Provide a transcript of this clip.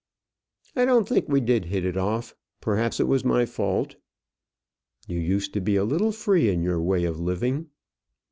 "I don't think we did hit it off. Perhaps it was my fault." "You used to be a little free in your way of living."